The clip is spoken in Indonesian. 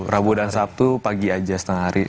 rabu dan sabtu pagi aja setengah hari